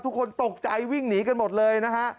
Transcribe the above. ทุกคนตกใจวิ่งหนีกันหมดเลยนะฮะ